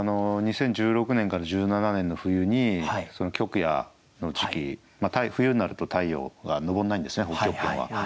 ２０１６年から１７年の冬に極夜の時期冬になると太陽が昇らないんですね北極圏は。